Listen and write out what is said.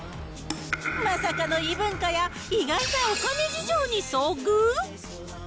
まさかの異文化や意外なお金事情に遭遇？